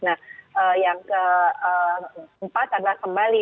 nah yang keempat adalah kembali